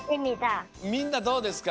みんなどうですか？